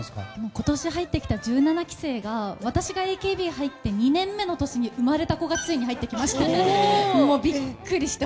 今年入ってきた１７期生が私がＡＫＢに入ってきて２年目の年に生まれた子がついに入ってきまして。